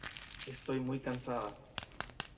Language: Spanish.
Estoy muy cansada.